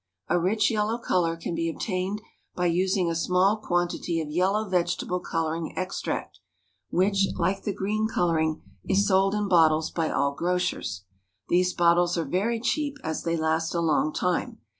A rich yellow colour can be obtained by using a small quantity of yellow vegetable colouring extract, which, like the green colouring, is sold in bottles by all grocers. These bottles are very cheap, as they last a long time.